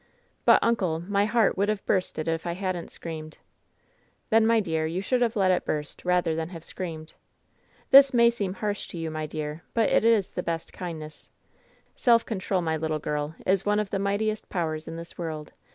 "But, uncle — my heart would have bursted if I hadn't screamed." "Then, my dear, you should have let it burst, rather 1«0 WHEN SHADOWS DIE than have screamed. This may seem harsh to you^ m; dear, but it is the best kindness. Self control, my little ^rl, is one of the mightiest powers in this world.